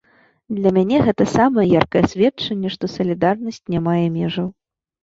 Для мяне гэта самае яркае сведчанне, што салідарнасць не мае межаў.